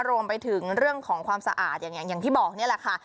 รวมไปถึงเรื่องของความสะอาดอย่างที่บอกนี่แหละค่ะ